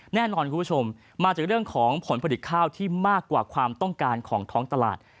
แน่นอนคุณผู้ชมมาจากเรื่องของผลผลิตข้าวที่มากกว่าความต้องการของท้องตลาด